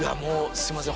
すいません。